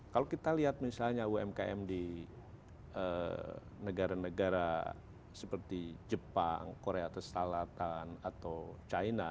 kalau kita lihat misalnya umkm di negara negara seperti jepang korea selatan atau china